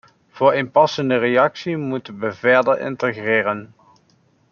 Voor een passende reactie moeten we verder integreren.